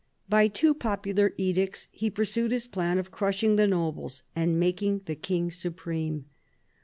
By two popular edicts he pursued his plan of crushing the nobles and making the King supreme.